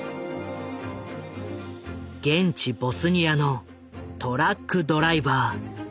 現地ボスニアのトラックドライバー。